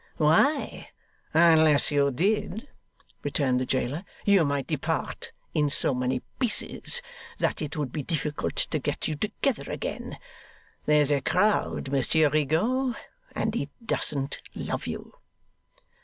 'Why, unless you did,' returned the jailer, 'you might depart in so many pieces that it would be difficult to get you together again. There's a crowd, Monsieur Rigaud, and it doesn't love you.